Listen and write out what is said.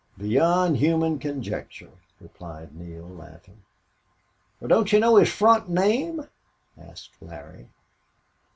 "Beyond human conjecture," replied Neale, laughing. "Wal, don't you know his front name?" asked Larry.